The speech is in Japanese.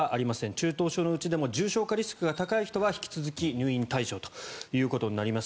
中等症のうちでも重症化リスクが高い人は引き続き入院対象ということになります。